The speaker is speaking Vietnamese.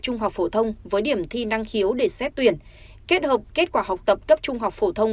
trung học phổ thông với điểm thi năng khiếu để xét tuyển kết hợp kết quả học tập cấp trung học phổ thông